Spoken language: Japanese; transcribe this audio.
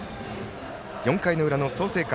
４回の裏の創成館。